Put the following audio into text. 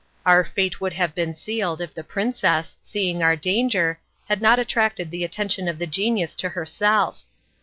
Our fate would have been sealed if the princess, seeing our danger, had not attracted the attention of the genius to herself.